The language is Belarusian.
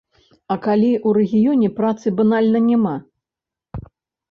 А калі ў рэгіёне працы банальна няма?